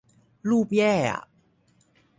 รูปแย่อ่ะ